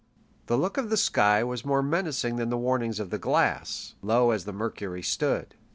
The look of the sky was more menacing than the warnings of the glass, low as the mercury stood.